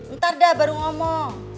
ntar dah baru ngomong